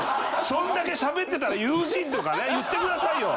そんだけしゃべってたら友人とかね言って下さいよ。